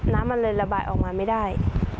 น้ำมันเลยระบายออกมาไม่ได้